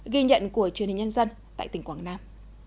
ghi nhận của truyền hình nhân dân tại tỉnh quảng nam